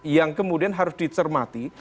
yang kemudian harus dicermati